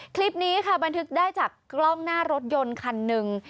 คลิปนี้ค่ะบันทึกได้จากกล้องหน้ารถยนต์คันหนึ่ง